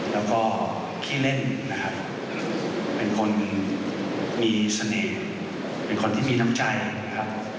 แล้วก็ขี้เล่นนะครับเป็นคนมีเสน่ห์เป็นคนที่มีน้ำใจนะครับ